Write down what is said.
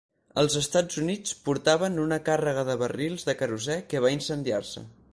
Els "Estats Units" portaven una càrrega de barrils de querosè que va incendiar-se.